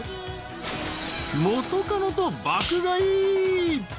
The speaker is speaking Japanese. ［元カノと爆買い］